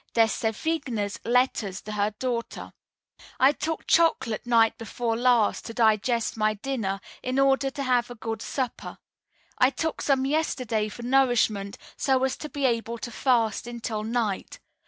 de Sévigné's letters to her daughter: "I took chocolate night before last to digest my dinner, in order to have a good supper. I took some yesterday for nourishment, so as to be able to fast until night.